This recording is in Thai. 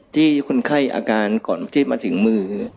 ที่คนไข้อาการก่อนที่มาถึงมือ